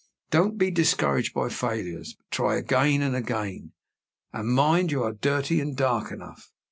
Don't be discouraged by failures, but try again and again; and mind you are dirty and dark enough.